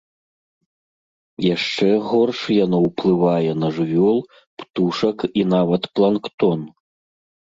Яшчэ горш яно ўплывае на жывёл, птушак і нават планктон.